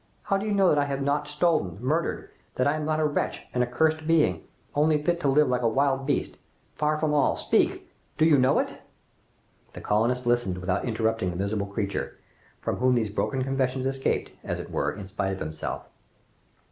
How do you know that I have not stolen, murdered that I am not a wretch an accursed being only fit to live like a wild beast, far from all speak do you know it?" The colonists listened without interrupting the miserable creature, from whom these broken confessions escaped, as it were, in spite of himself.